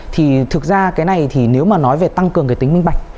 thì thực ra cái này thì nếu mà nói về tăng cường cái tính minh bạch